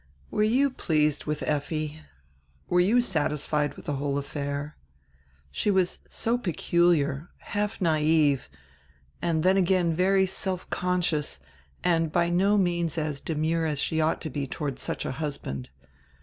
"Were you pleased widi Effi? Were you satisfied with the whole affair? She was so peculiar, half naive, and then again very self conscious and by no means as demure as she ought to be toward such a husband.